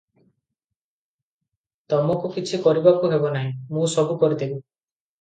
ତମକୁ କିଛି କରିବାକୁ ହବ ନାହିଁ, ମୁଁ ସବୁ କରିଦେବି ।"